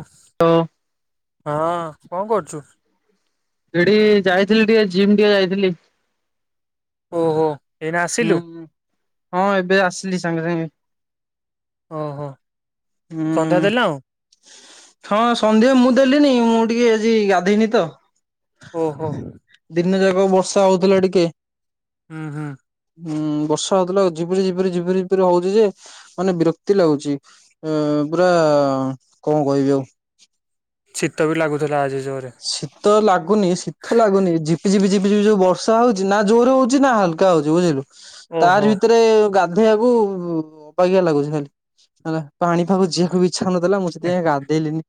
Offs ହଉ ହଁ କଣ କରୁଛୁ? ସେଠି ଯାଇଥିଲି ଟିକେ ଜିମ୍ ଟିକେ ଯାଇଥିଲି। ଓହୋ। ଏଇନା ହୁଁ ଆସିଲୁ ହୁଁ ଏବେ ଆସିଲି ସାଙ୍ଗେ ସାଙ୍ଗେ ଓହୋ ସନ୍ଧ୍ୟା ହୁଁ। ଦେଲୁଣୁ? ହଁ ସନ୍ଧ୍ୟା ମୁଁ ଦେଲିିନି ମୁଁ ଟିକେ ଆଜି ଗାଧୋଇନି ତ? ଓ ହୋ। ଦିନ ଯାକ ବର୍ଷା ହଉଥିଲା ଟିକେ ହାଁ ହାଁ। ହୁଁ ବର୍ଷା ହଉଥିଲା ଝପିରି ଝିପରି ଝିପରି ଝିପରି ହଉଛି ଯେ ମାନେ ବିରକ୍ତି ଲାଗୁଛି। ଏ ପୁରା କଣ କହିବି ଆଉ ଶୀତ ବି ଲାଗୁଥିଲା ଆଜି। ଜୋରେ ସି ତ ଲାଗୁନି ଶୀତ ଲାଗୁନି ଝିପିଝିପି ଝିପିଝିପି ଯୋଉ ବର୍ଷା ହଉଛି ନା ଜୋରେ ହଉଛି ନା ହାଲକା ହଉଛି ବୁଝିଲୁ? ଓହୋ ତାରି ଭିତରେ ଗାଧେଇବାକୁ ଅବାଗିଆ ଲାଗୁଛି ଖାଲି। ହେଲା ପାଣି ପାାଗକୁ ଯିବାକୁ ବି ଇଚ୍ଛା ନଥିଲା ମୁଁ ଏଁ, ସେଥିପାଇ ଗାଧେଇଲିନି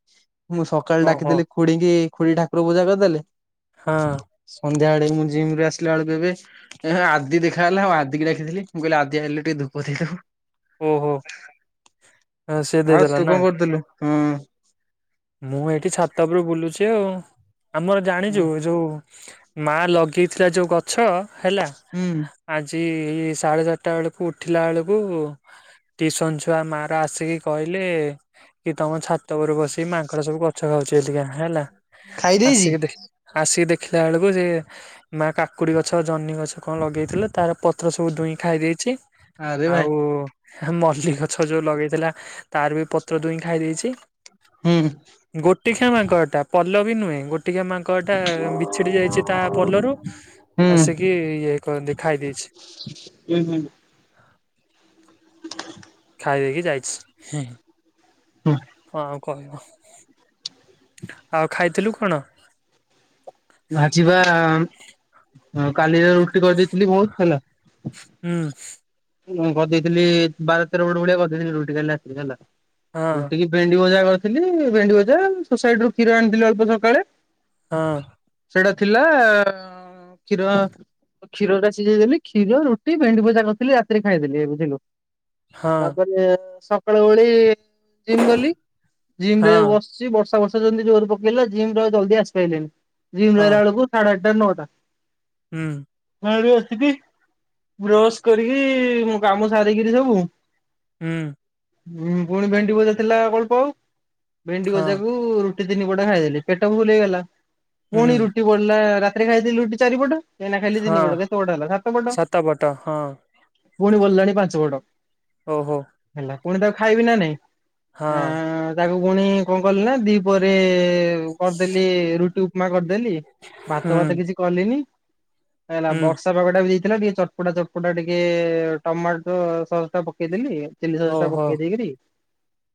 ମୁଁ ସକାଳେ ଓହୋ ଡାକିଦେଲି। ଖୁଡିକି ଖୁଡି ଠାକୁର ପୂଜା କରିଦେଲେ। ହଁ। ସନ୍ଧ୍ୟା ବେଳେକୁ ମୁଁ ଜିମରେ ଆସିଲା ବେଳକୁ ଏବେ ଏ ଆଦି ଦେଖା ହେଲା ଆଉ ଆଦିକି ଡାକି ଦେଲି, ମୁଁ କହିଲି ଆଦି ଆଇଲୁ ଟିକେ ଧୁପ ଦେଇଦବୁ। ଓହୋ ସେ ଦେଇଦେଲା ନା? ହୁଁ। ମୁଁ ଏଇଠି ଛାତ ଉପରେ ବୁଲୁଛି ଆଉ ଆମର ଜାଣିଛୁ ଯୋଉ ମା ଲଗେଇଥିଲା ଯୋଉ ଗଛ ହେଲା ହୁଁ ଆଜି ସାଢେ ଚାରିଟା ବେଳକୁ ଉଠିଲା ବେଳକୁ ଟିୟୁସନ ଛୁଆ ମା ର ଆସିକି କହିଲେ କି ତମ ଛ ଛାତ ଉପରେ ବସିିକି ମାଙ୍କଡ଼ ସବୁ ଗଛ ଖାଉଛି ଏଥୀକା ହେଲା ଖାଇ ଦେଇଛି ଆସିକି ଦେଖ ଆସିକି ଦେଖିଲା ବେଳକୁ ସେ ମା କାକୁଡ଼ି ଗଛ ଜହ୍ନି ଗଛ କଣ ଲଗେଇଥିଲା ତାର ପତ୍ର ସବୁ ଦୁଇଁ ଖାଇ ଦେଇଛି। ଆରେ ଭାଇ ଆଉ ମଲ୍ଲି ଗଛ ଯୋଉ ଲଗେଇଥିଲା ତାର ବି ପତ୍ର ଦୁଇଁ ଖାଇ ଦେଇଛି। ହୁଁ। ଗୋଟି ଖିଆ ମାଙ୍କଡ଼ ଟା ପଲ ବି ନୁହେଁ ଗୋ ଟିକେ ମାଙ୍କଟା ବିଛିଡି ଯାଇଛି ତା ପଲର ଟି ହୁଁ ଆସିକି ଇଏ କ ଖାଇ ଦେଇଛି। ହୁଁ ହୁଁ। ଖାଇ ଦେଇକି ଯାଇଛି ହେଁ କଣ କହିବ। ଆଉ ଖାଇଥିଲୁ କଣ? ମୁଁ ଆଜିବା କାଲିର ରୁଟି କରି ଚୁଲି ବହୁତ ହେଲା। ହୁଁ ମୁଁ କହିଦେଇଥିଲି ବାର ତେର ପଟ ଭଳିଆ କରି ଦେଇଥିଲି ରୁଟି କାଲି ରାତିରେ ହେଲା, ହଁ ରୁଟି କି ଭେଣ୍ଡି ଭଜା କରିଥିଲି ଭେଣ୍ଡି ଭଜା ସୋସାଇଟିରୁ କ୍ଷୀର ଆଣିଥିଲି ଅଳ୍ପ ସକାଳେ। ହଁ। ସେଇଟା ଥିଲା, କ୍ଷୀର କ୍ଷୀର ଟା ସିଜେଇ ଦେଲି। କ୍ଷୀର, ରୁଟି, ଭେଣ୍ଡି ଭଜା କରିଥିଲି ରାତିରେ ଖାଇଦେଲି ବୁଝିଲୁ। ହଁ ତାପରେ ସକାଳ ଓଳି ଜିମ୍ ଗଲି ଜିମ ହଁ ରେ ବସି ବସି ବର୍ଷା ବର୍ଷା ଯେମିତି ଜୋରରେ ପକେଇଲା ଜିମରୁ ଆଉ ଜଲଦି ଆସି ପାଇଲିନି। ଜିମ୍ ରୁ ହଁ ଆଇଲା ବେଳକୁ ସାଢ଼େ ଆଠଟା ନଅଟା। ହୁଁ। ସାଡୁ ଆସକି ବ୍ରସ କରିକି ମୋ କାମ ସାରିକିରି ସବୁ ହୁଁ। ହୁଁ ଫୁଣି ଭେଣ୍ଡି ଭଜା ଥିଲା ଅଳ୍ପ ଆଉ ଭେଣ୍ଡି ହଁ ଭଜାକୁ ରୁଟି ତିନି ପଟା ଖାଇଦେଲି ପେଟ ଫୁଲ୍ ହେଇଗଲା ହୁଁ ପୁଣି ରୁଟି ବଳିଲା ରାତିରେ ଖାଇଦେଲି ରୁଟି ଚାରିପଟ। ଏଇନା ଖାଇଲି ତିନି ହଁ ପଟ କେତେ ପଟ ହେଲା ସାତ ପଟ ପୁଣି ବଳିଲାଣି ପାଞ୍ଚ ପଟ। ହଉ ହଉ। ହେଲା ପୁଣି ତାକୁ ଖାଇବି ନା ନାଇଁ ହଁ ଆଁ। ତାକୁ ପୁଣି କଣ କଲି ନା ଦି ପରେ କରିଦେଲି ରୁଟୁ କରିଦେଲି ଭାତ ହୁଁ ଫାତ କିଛି କଲିନି, କାଇଁ କିନା ହୁଁ ବର୍ଷା ପାଗଟା ବି ଥିଲା ଟିକେ ଚଟପଟା ଚଟପଟା ଟିକେ ଟମାଟୋ ସସ୍ ଟା ପକେଇଦେଲି। ଚିଲି ସସ୍ ଟା ଓହୋ ପକେଇ ଦେଇକିରି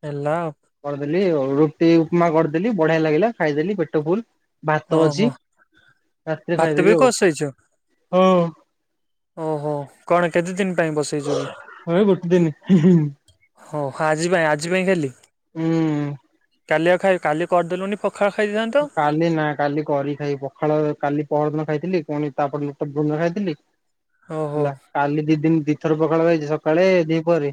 ହେଲା ଆଉ କରିଦେଲି ଆଉ ରୁଟି ଉପମା କରିଦେଲି ବଢିଆ ଲାଗିଲା ଖାଇଦେଲି ପେଟ ଫୁଲ। ଭାତ ଅଛି ଓହୋ ରାତିରେ ଭାତ ବି ଖାଇଦେବି ବସେଇଛ ଆଉ ହ। ଓହୋ କଣ କେତେ ଦିନ ପାଇଁ ବସେଇଚ କି? ଭାଇ ଭୋଟି ଦେଇନି ହିଁ ହିଁ। ହଉ ଆଜି ପାଇଁ ଆଜି ପାଇଁ ଖାଲି। ଉଁ କାଲି ଆଉ ଖାଇ କାଲି କରିଦେଲୁନି ପଖାଳ ଖାଇଦେଇଥାନ୍ତି ତ। କାଲି ନା କାଲି କରି ଖାଇ ପଖାଳ କାଲି ପଅର ଦିନ ଖାଇଥିଲି ପୁଣି ତାପର ଦିନ [unintelligible] ଖାଇଥିଲି। ଓହୋ ହେଲା କାଲି ଦି ଦିନ ଦିଇ ଥର ପଖାଳ ଖାଇଛି ସକାଳେ, ଦିପହରେ।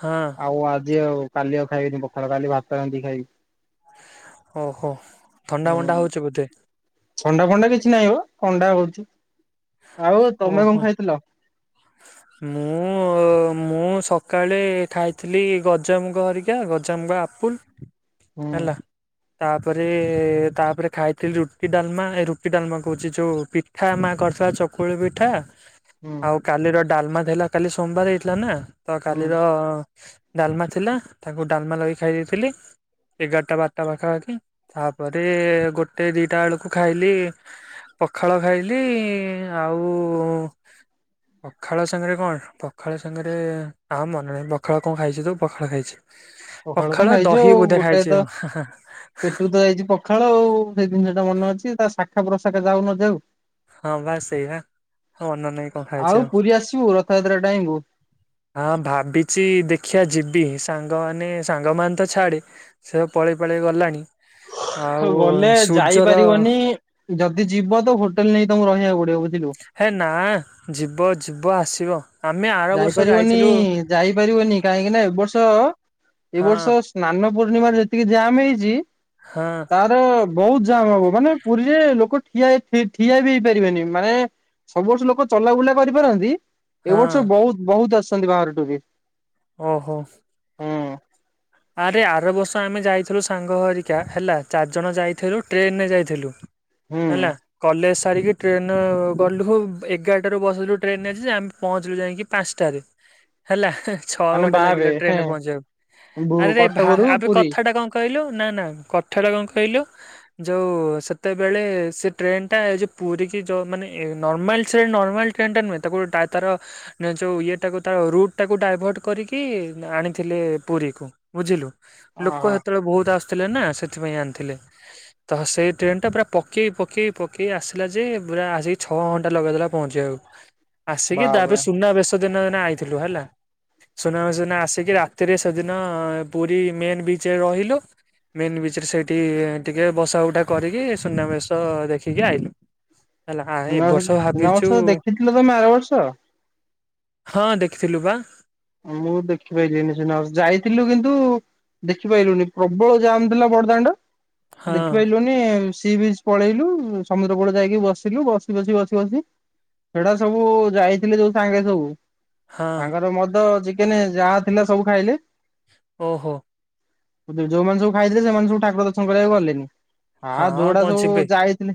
ହଁ। ଆଉ ଆଜି ଆଉ କାଲି ଆଉ ଖାଇବିନି ପଖାଳ କାଲି ଭାତ ରାନ୍ଧିକି ଖାଇବି। ଓହୋ ଥଣ୍ଡା ମଣ୍ଡା ହୁଁ ହଉଚି ବୋଧେ? ଥଣ୍ଡା ଫଣ୍ଡା କିଛି ନାହିଁ ବୋ ଥଣ୍ଡା ହଉଚି ଆଉ ତମେ ଓହୋ କଣ ଖାଇଥିଲ? ମୁଁ ମୁଁ ସକାଳେ ଖାଇଥିଲି ଗଜାମୁଗ ହରିକା ଗଜାମୁଗ ଆପୁଲ। ହୁଁ [unintelligible] ହେଲା। ତାପରେ ତାପରେ ଖାଇଥିଲି ରୁଟି ଡାଲମା ଏ ରୁଟି ଡାଲମା କହୁଛି ଯୋଉ ପିଠା ମା କରି ଥ ଚକୁଳି ପିଠା ହୁଁ ଆଉ କାଲିର ଡାଲମା ଥିଲା କାଲି ସୋମବାର ହେଇଥିଲା ନା। ତ ହୁଁ କାଲିର ଡାଲମା ଥିଲା ତାକୁ ଡାଲମା ଲଗେଇ ଖାଇ ଦେଇଥିଲି। ଏଗାରଟା ବାରଟା ପାଖାପାଖି ତାପରେ ଗୋଟେ ଦିଟା ବେଳକୁ ଖାଇଲି ପଖାଳ ଖାଇଲି ଆଉ ପଖାଳ ସାଙ୍ଗରେ କଣ ପଖାଳ ସାଙ୍ଗରେ ଆଉ ମନେ ନାହିଁ ପଖାଳ କଣ ଖାଇଛି ତୁ ପଖାଳ ଖାଇଛି। ପଖାଳ ତ ଖାଇଚୁ ଦହି ଆଉ ବୋଧେ ଗୋଟାଏ ଖାଇଛି ତ ଆଉ ପେଟକୁ ତ ଯାଇଚି ପ ପଖାଳ ଆଉ ସେଇ ଜିନିଷ ଟା ମନେ ଅଛି ତା ଶାଖା ପ୍ରଶାଖା ଯାଉ ନଯାଉ ହଁ ବା ସେଇଆ ଆଉ ମନ ନାଇ କଣ ଖାଇଚି ଆଉ। କିଏ ଆସିବୁ ର ରଥଯାତ୍ର ଟାଇମ କୁ ଆଁ ଭାବିଚି ଦେଖିଆ ଯିବି ସାଙ୍ଗମାନେ ସାଙ୍ଗ ମାନେ ତ ଛାଡେ। ସେ ପଳେଇ ପାଳେଇ ଗଲାଣି। ଆଉ ଗଲେ ସୂର୍ଯ୍ୟର ଯାଇପାରିବନି ଯଦି ଯିବ ତ ହୋଟେଲ ନେଇ ତମକୁ ରହିବାକୁ ପଡିବ ବୁଝିଲୁ। ହେ ନା ଯିବ ଯିବ ଆସିବ। ଆମେ ଆର ବର୍ଷ ଜାଣିପାରିବନି ଯାଇଥିଲୁ ଯାଇପାରିବନି କାହିଁକିନା ଏ ବର୍ଷ ଏ ହଁ ବର୍ଷ ସ୍ନାନ ପୂର୍ଣ୍ଣିମା ରୁ ଯେତିକି ଜାମ୍ ହେଇଚି ହଁ। ତାର ବହୁତ ଜାମ ହବ। ମାନେ ପୁରୀରେ ଲୋକ ଠିଆ ଇ ଠିଆ ବି ହେଇପାରିବେନି ମାନେ ସବୁ ବର୍ଷ ଲୋକ ଚଲା ବୁଲା କରିପାରନ୍ତି ହଁ ଏ ବର୍ଷ ବହୁତ ବହୁତ ଆସିଛନ୍ତି ବାହାର ଟୁ ବି। ଓହୋ। ଆରେ ଆର ବର୍ଷ ଆମେ ଯାଇଥିଲୁ ସାଙ୍ଗ ହେରିକା ହେଲା ଚାରିଜଣ ଯାଇଥିଲୁ ଟ୍ରେନରେ ଯାଇଥିଲୁ। ହୁଁ। ହେଲା କଲେଜ ସାରିକି ଟ୍ରେନରେ ଗଲୁ ଏଗାରଟାରୁ ବସିଲୁ ଟ୍ରେନ ଯେ ଆମେ ପହଞ୍ଚିଲୁ ଯାଇକି। ପାଞ୍ଚ୍ ଟା ରେ ହେଲା ଛଅ ମାନେ ଘଣ୍ଟା ଲାଗିଲା ଭାବେ ଟ୍ରେନରେ ପହଞ୍ଚିବାକୁ। ହେଁ ଆରେ ଭା କଟକରୁ ଆବେ ପୁରୀ କଥା ଟା କଣ କହିଲୁ ନା ନା କଥା ଟା କଣ କହିଲୁ ଯୋଉ ସେତେବେଳେ ସେ ଟ୍ରେନ୍ ଟା ଏ ଯୋଉ ପୁରୀ ଯୋଉ ମାନେ ନର୍ମାଲ ସେ ନର୍ମାଲ ଟ୍ରେନ ଟା ନୁହେଁ ତାକୁ ଟା ତାର ନା ଯୋଉ ଇଏ ଟାକୁ ତା ରୁଟ୍ ଟାକୁ ଡାଇଭର୍ଟ କରିକି ଆଣିଥିଲେ ପୁରୀକୁ। ବୁଝିଲୁ ଲୋକ ଓହୋ ହେତେବେଳେ ବହୁତ ଆସୁଥିଲେ ନା ସେଥିପାଇଁ ଆଣିଥିଲେ। ତ ସେହି ଟ୍ରେନଟା ପୁରା ପକେଇ ପକେଇ ପକେଇ ଆସିଲା ଯେ ପୁରା ଆସିକି ଛଅ ଘଣ୍ଟା ଲଗେଇ ଦେଲା ପହଞ୍ଚିବାକୁ। [unintelligible] ଆସିକି ତା [inaudible] ବି ବାପରେ ସୁନା ବେସ। ଦିନ [inaudible] ଆଇଥିଲୁ ହେଲା ସୁନା ବେଶ ଦିନ ଆସିକି ରାତିରେ ସେଦିନ ପୁରୀ ମେନ୍ ବିଚରେ ରହିଲୁ। ମେନ୍ ବିଚରେ ସେଇଠି ଟିକେ ବସା ଉଠା କରିକି ସୁନାବେଶ ଦେଖିକି ଆଇଲୁ। ହେଲା ଆ ଏ ସୁନା ବେଶ ବର୍ଷ ସୁନ ଭାବିଛୁ ବେଶ ତ ଦେଖିଥିଲ ତମେ ଆର ବର୍ଷ। ହଁ ଦେଖିଥିଲୁ ବା। ମୁଁ ଦେଖିପାରିଲି ସିନା ଯାଇଥିଲୁ କିନ୍ତୁ ଦେଖିପାଇଲୁନି ପ୍ରବଳ ଜାମ ଥିଲା ବଡଦାଣ୍ଡ ହଁ ଦେଖିପାଇଲୁନି। ମେ ସି ବିଚ ପଳେଇଲୁ ସମୁଦ୍ର କୁଳ ଯାଇକି ବସିଲୁ ବସି ବସି ବସି ବସି ସେଇଟା ସବୁ ଯାଇଥିଲି ଯୋଉ ସାଙ୍ଗରେ ସବୁ। ହଁ। ତାଙ୍କର ମଦ ଚିକେନ ଯାହା ଥିଲା ସବୁ ଖାଇଲେ। ଓହୋ। ଯୋଉମାନେ ସବୁ ଖାଇଥିଲେ ସେମାନେ ସବୁ ଠାକୁର ଦର୍ଶନ କରିବାକୁ ଗଲେନି। ହଁ ଯୋଉ ଗୁଡା କଣ ସବୁ ଯିବେ ଯାଇଥିଲେ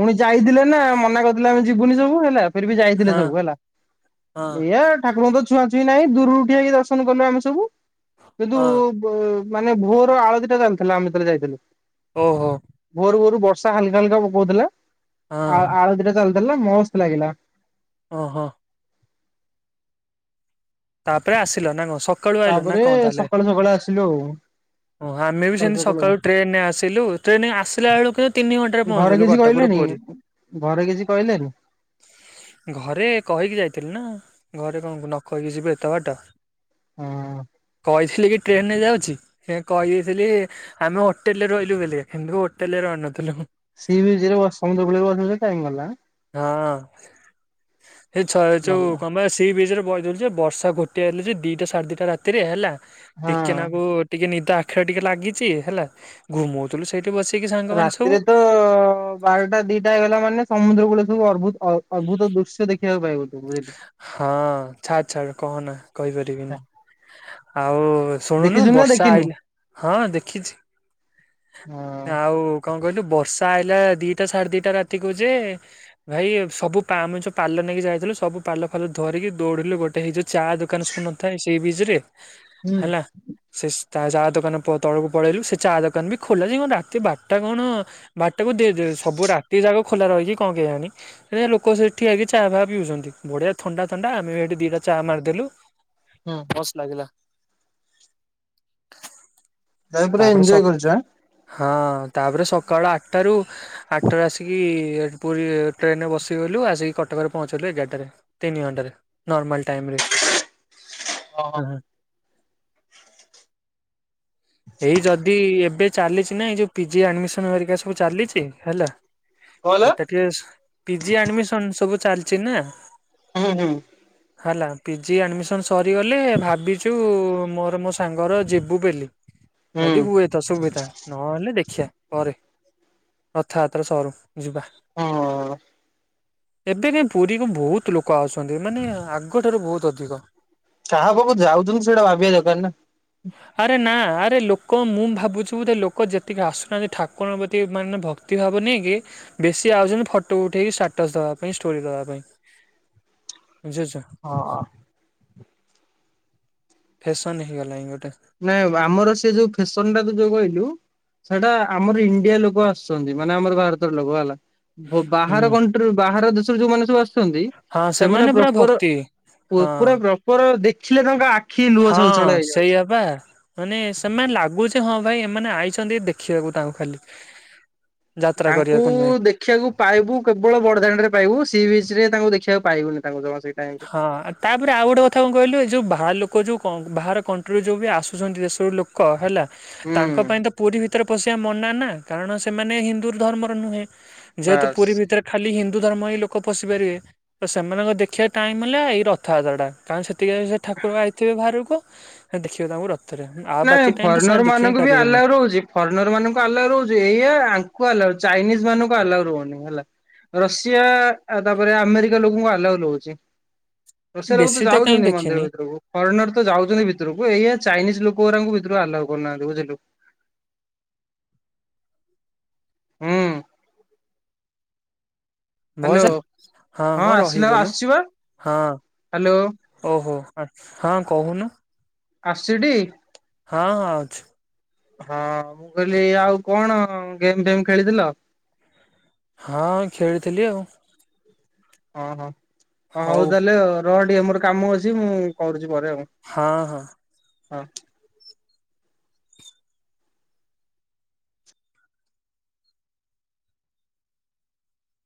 ପୁଣି ଯାଇଥିଲେ ନା ମନା କରିଥିଲେ ଆମେ ଯିବୁନି ସବୁ ହେଲା। ଫିର୍ବି ଯାଇଥିଲେ ହଁ ସବୁ ହେଲା ହଁ ଏଇଆ ଠାକୁରଙ୍କୁ ତ ଛୁଆ ଛି ନାଇଁ ଦୂରରୁ ଠିଆ ହୋଇ ଦର୍ଶନ କଲୁ ଆମେ ସବୁ କିନ୍ତୁ ହଁ ମାନେ ଭୋର ଆଳତୀଟା ଚାଲିଥିଲା ଆମେଯେତେବେଳେ ଯାଇଥିଲୁ। ଓହୋ। ଭୋରୁ ଭୋରୁ ବର୍ଷା ହାଲକା ହାଲକା ପକଉଥିଲା ଆଉ ଆଳ ହଁ। ଆଳତିଟା ଚାଲିଥିଲା ମସ୍ତ ଲାଗିଲା। ଓହୋ। ତାପରେ ଆସିଲ ନା କଣ ସ ତାପରେ ସକାଳୁ ସକାଳୁ ଆସିଲୁ ଆଉ। ଓ ଆମେ ବି ସେମିତି ସକାଳୁ ଟ୍ରେନ ରେ ଆସିଲୁ ଟ୍ରେନ ଆସିଲା ବେଳକୁ ତିନି ଘଣ୍ଟା ଘରେ କିଛି କହିଲେନି ଘରେ କିଛି କହିଲେନି। ଘରେ କହିକି ଯାଇଥିଲୁ ନା ଘରେ କଣ ନ କହିକି ଯିବି ଏତେ ବାଟ। ହଁ କହିଥିଲି କି ଟ୍ରେନରେ ଯାଉଛି। ସେ କହିଥିଲି ଆମେ ହୋଟେଲ ରେ ରହିଲୁ ବୋଲି କିନ୍ତୁ ହୋଟେଲ ରେ ରହିନଥିଲୁ। ସି ବିଚିରୁ ସମୁ୍ଦ୍ର କୂଳରେ ବସି ବସି ଟାଇମ୍ ଗଲା। ହଁ ସେଛଇ ଯୋଉ ଭଲ କ ସି ବିଚରେ ବଇଥିଲୁ ଯେ ବର୍ଷା ଗୋଟିଏ ହେଲେ ଯେ ଦିଟା ସାଢେ ଦିଟା ରାତିରେ ହେଲା ହଁ ଟିକେନା କୁ ଟିକେ ନିଦ ଆଖିରେ ଟିକେ ଲାଗିଛି ହେଲା ଘୁମଉଥିଲୁ ସେଇଠି ବସେଇକି ସାଙ୍ଗମାନେ ସବୁ ରାତିରେ ତ ବାରଟା ଦିଟା ହେଇଗଲା ମାନେ ସମୁଦ୍ର କୁଡ ସବୁ ଅର୍ଭୁତ ଅ-ଅଦ୍ଭୁତ ଦୃଶ୍ୟ ଦେଖିବାକୁ ପାଇବୁ ବୁଝିଲୁ। ହଁ ଛାଡ ଛାଡ କହନା କହିପାରିବିନି ଆଉ ଶୁଣୁନୁ ଦେଖିଛୁ ନା ବର୍ଷା ଦେଖିନୁ ଆଇଲା ହଁ ଦେଖିଛି ହଁ ଆଉ କଣ କହିଲୁ ବର୍ଷା ଆଇଲା ଦିଟା ସାଢେ ଦିଟା ରାତିକୁ ଯେ ଭାଇ ସବୁ ପାମ ଯ ପାଲ ନେଇକି ଯାଇଥିଲୁ ସବୁ ପାଲ ଫାଲ ଧରିକି ଦୌଡିଲୁ ଗୋଟେ ହେଇଯୋଉ ଚା ଦୋକାନ ଶୁନଥାଏ ସେଇ ବିଚ୍ ରେ ହୁଁ ହେଲା ସେ ତା ଚାହା ଦୋକାନ ତଳକୁ ପଳେଇଲୁ ସେ ଚା ଦୋକାନ ବି ଖୋଲା ସେ କଣ ରାତି ବାରଟା କଣ ବାରଟାକୁ ସବୁ ରାତି ଯା ଖୋଲା ରହିକି କଣ କେଜାଣି ସୋ ଲୋକ ସେଠି ଠିଆ ହେଇକି ଚା ଫା ପିଉଛନ୍ତି ବଢ଼ିଆ ଥଣ୍ଡା ଥଣ୍ଡା ଆମେ ଏଇଠେ ଦୁଇଟା ଚା ମାରିଦେଲୁ ହୁଁ। ମସ୍ତ ଲାଗିଲା। ତାକୁ ପୁରା ତାପରେ ସ ଏଞ୍ଜୟ କରିଛୁ ଆଁ ହଁ ହଁ ତାପରେ ସକାଳ ଆଠଟାରୁ ଆଠଟାରୁ ଆସିକି ପୁରୀ ଟ୍ରେନ ରେ ବସିଗଲୁ ଆସିକି କଟକରେ ପହଞ୍ଚିଲୁ ଏଗାରଟାରେ। ତିନି ଘଣ୍ଟାରେ। ନର୍ମାଲ ଟାଇମ ରେ। ହଁ ହଁ। ଏଇ ଯଦି ଏବେ ଚାଲିଛି ନା ଏଇ ଯୋଉ ପିଜି ଆଡମିସନ ହେରିକା ସବୁ ଚାଲିଛି। ହେଲା। କହିଲ ଏକାଟିଆ। ପିଜି ଆଡମିସନ ସବୁ ଚାଲିଛି ନା? ହୁଁ ହୁଁ। ହେଲା। ପିଜି ଆଡ଼ମିସନ୍ ସରିଗଲେ ଭାବିଛୁ ମୋର ମୋ ସାଙ୍ଗର ଯିବୁ ବୋଲି। ହୁଁ ଯଦି ହୁଏ ତ ସୁବିଧା। ନହେଲେ ଦେଖିଆ। ପରେ। ରଥଯାତ୍ରା ସରୁ ଯିବା। ହଁ। ଏବେ କାହିଁ ପୁରୀକୁ ବହୁତ ଲୋକ ଆସଛନ୍ତି ମାନେ ଆଗଠାରୁ ବହୁତ ଅଧିକ। କାହା ପାଖକୁ ଯାଉଥିଲୁି ସେଇଟା ଭାବିବା ଦରକାର ନା। ଆରେ ନା ଆରେ ଲୋକ ମୁଁ ଭାବୁଛିୁ ବୋଧେ ଲୋକ ଯେତିକି ଆସୁନାହାନ୍ତି ଠାକୁରଙ୍କ ପ୍ରତି ମାନେ ଭକ୍ତିଭାବ ନେଇକି ବେଶୀ ଆଉଛନ୍ତି ଫଟୋ ଉଠେଇକି ଷ୍ଟାଟସ ଦବା ପାଇଁ ଷ୍ଟୋରି ଦବା ପାଇଁ। ବୁଝିଛ? ହଁ। ଫେସନ ହେଇଗଲା ଇଁ ଗୋଟେ। ନାଇଁ ବାବୁ ଆମର ସେ ଯୋଉ ଫେସନ ଟା ତ ଯୋଉ କହିଲୁ ସେଟା ଆମର ଇଣ୍ଡିଆ ଲୋକ ଆସୁଛନ୍ତି ମାନେ ଆମର ଭାରତର ଲୋକ ହେଲା। ଆଉ ହୁଁ ବାହାର କଣ୍ଟ୍ରି ବାହାର ଦେଶରୁ ଯୋଉମାନେ ସବୁ ଆସୁ ଛନ୍ତି ହଁ ସେମାନେ ପୁରା ପ୍ରପର ଭକ୍ତି ପୁ ହଁ ପୁରା ପ୍ରପର ଦେଖିଲେ ତାଙ୍କ ଆ ଖି ଲୁହ ହଁ ଛଲଛଳ ହେଇଯାଉଛି। [unintelligible] ମାନେ ସେମାନେ ଲାଗୁଛି ହଁ ଭାଇ ଏମାନେ ଆଇଛନ୍ତି ଦେଖିବାକୁ ତାଙ୍କୁ ଖାଲି। ଯାତ୍ରା ତାଙ୍କୁ କରିବାକୁ ନୁହେଁ ଦେଖ ଦେଖିବାକୁ ପାଇବୁ କେବଳ ବଡ ଦାଣ୍ଡରେ ରେ ପାଇବୁ। ସି ବିଚ ରେ ତାଙ୍କୁ ଦେଖିବାକୁ ପାଇବୁନି ତାଙ୍କୁ ଜମା ସେଇ ଟାଇମରେ। ହଁ ତାପରେ ଆଉ ଗୋଟେ କଥା କଣ କହିଲୁ? ଏ ଯୋଉ ବାହାର ଲୋକ ଯୋଉ ବାହାର କଣ୍ଟ୍ରିରୁ ଯୋଉ ବି ଆସୁଛନ୍ତି ଦେଶରୁ ଲୋକ କ ହେଲା ହୁଁ ତାଙ୍କ ପାଇଁ ତ ପୁରୀ ଭିତରେ ପଶିବା ମନା ନା। କାରଣ ସେମାନେ ହିନ୍ଦୁ ଧର୍ମର ନୁହେଁ। ଯେହେତୁ ପୁରୀ ବାସ୍। ଭିତରେ ଖାଲି ହିନ୍ଦୁ ଧର୍ମ ହିଁ ଲୋକ ପଶିପାରିବେ ତ ସେମାନଙ୍କ ଦେଖିବା ଟାଇମ ହେଲା ଏଇ ରଥଯାତ୍ରା ଟା କାରଣ ସେତିକି ବେଳେ ସେ ଠାକୁର ଆାଇଥିବେ ବାହାରକୁ ସେ ଦେଖିବେ ତାଙ୍କୁ ର ନାଇଁ ଫରେନର ମାନଙ୍କୁ ବି ଆଲାଉ ରହୁଛି ଫରେନର ମାନଙ୍କୁ ଆଲାଉ ରହୁଛି। ଏଇଆ ଆଙ୍କୁ ଆଲାଉ ଚାଇନିଜ ମାନଙ୍କୁ ଆଲାଉ ରହୁନି ହେଲା। ରଷିଆ ତାପରେ ଆମେରିକା ଲୋକଙ୍କୁ ଆଲଉ ରହୁଛି। ରଷିଆ ଲୋକ ବେଶୀ ତ କାହିଁ ଯାଉଛନ୍ତି ମନ୍ଦିର ଦେଖିନି ଭିତରକୁ। ଫରେନର ତ ଯାଉଛନ୍ତି ଭିତରକୁ। ଏଇଆ ଚାଇନିଜ ଲୋକ ଗୋରାଙ୍କୁ ଭିତରୁ ଆଲାଉ କରୁନାହାନ୍ତି। ବୁଝିଲୁ। ହୁଁ ହ୍ୟାଲୋ ଭଏସ୍‌, ହଁ ବା ଆସିଲା ରହିଗଲୁ। ଆସିଛି ବା ହଁ। ହ୍ୟାଲୋ ଓହୋ। ହଁ କହୁନୁ। ଆସୁଛି ଟି। ହଁ ହଁ ଆଉଛି। ହଁ, ମୁଁ କହିଲି ଆଉ କଣ ଗେମ୍ ଫେମ ଖେଳିଥିଲ। ହଁ ଖେଳିଥିଲି ଆଉ। ହଁ ହଁ, ହଉ ତାହେଲେ ରହ ଟିକେ, ମୋର କାମ ଅଛି ମୁଁ କରୁଛି ପରେ ଆଉ। ହଁ ହଁ ହଁ [unintelligible]